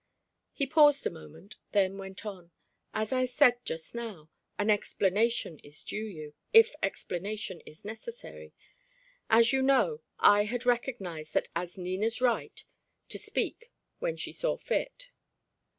He paused a moment, then went on, "As I said just now, an explanation is due you, if explanation is necessary. As you know, I had recognised that as Nina's right to speak when she saw fit.